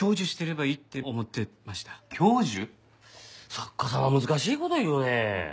作家さんは難しい事言うねえ。